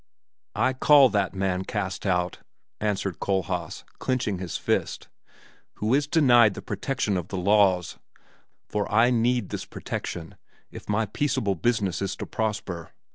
"I call that man cast out," answered Kohlhaas, clenching his fist, "who is denied the protection of the laws. For I need this protection, if my peaceable business is to prosper.